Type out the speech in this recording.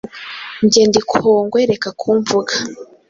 njye ndi kongwe reka kumvuga